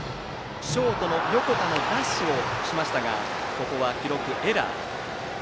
ショートの横田がダッシュしましたがここは記録エラー。